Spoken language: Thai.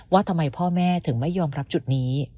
ว่าทำไมพ่อแม่ถึงไม่ยอมรับจุดนี้